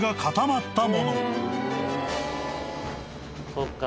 そっか。